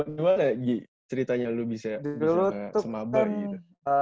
nah itu giyah giyah ceritanya lo bisa semaba gitu